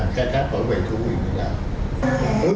khai thác bởi về chủ quyền của đảng